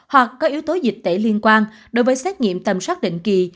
hoặc có yếu tố dịch tễ liên quan đối với xét nghiệm tầm soát định kỳ